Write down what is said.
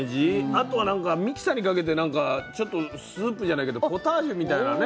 あとはなんかミキサーにかけてなんかちょっとスープじゃないけどポタージュみたいなね。